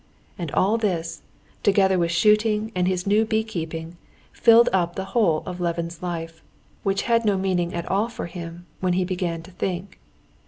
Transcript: And all this, together with shooting and his new bee keeping, filled up the whole of Levin's life, which had no meaning at all for him, when he began to think.